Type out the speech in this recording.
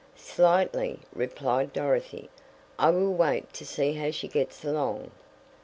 "Slightly," replied Dorothy. "I will wait to see how she gets along."